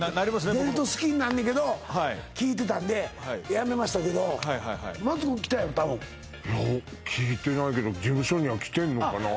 僕も出ると好きになんねんけど聞いてたんでやめましたけどいや聞いてないけど事務所には来てんのかな？